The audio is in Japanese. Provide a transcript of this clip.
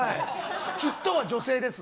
きっとは女性ですね。